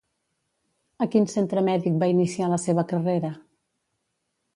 A quin centre mèdic va iniciar la seva carrera?